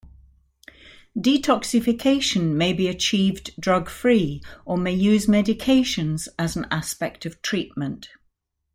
Detoxification may be achieved drug-free or may use medications as an aspect of treatment.